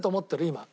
今。